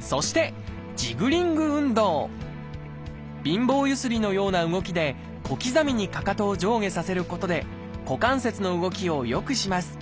そして貧乏ゆすりのような動きで小刻みにかかとを上下させることで股関節の動きをよくします